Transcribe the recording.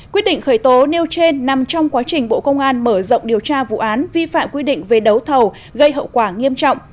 quyết định khởi tố nêu trên nằm trong quá trình bộ công an mở rộng điều tra vụ án vi phạm quy định về đấu thầu gây hậu quả nghiêm trọng